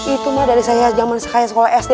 itu mah dari saya zaman sekolah sd